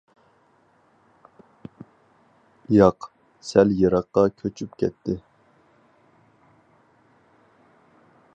ياق، سەل يىراققا كۆچۈپ كەتتى.